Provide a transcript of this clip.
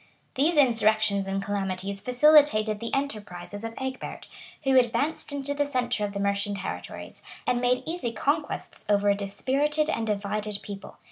These insurrections and calamities facilitated the enterprises of Egbert, who advanced into the centre of the Mercian territories, and made easy conquests over a dispirited and divided people.